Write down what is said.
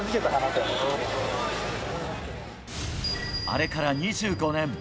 あれから２５年。